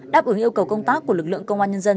đáp ứng yêu cầu công tác của lực lượng công an nhân dân